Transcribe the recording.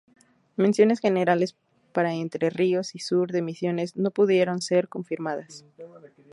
Menciones generales para Entre Ríos y sur de Misiones no pudieron ser confirmadas.